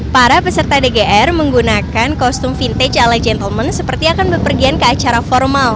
para peserta dgr menggunakan kostum vintage ala gentleman seperti akan berpergian ke acara formal